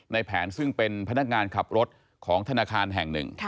ในแผนซึ่งเป็นพนักงานขับรถของธนาคารแห่งหนึ่ง